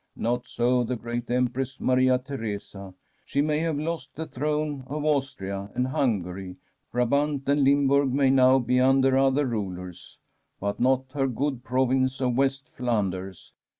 Not so the great Empress Maria I 280 J The Empress's MONEY CHEST Theresa. She may have lost the throne of Aus tria and Hungary; Brabant and Limburg may now be under other rulers, but not her good prov ince of West Flanders.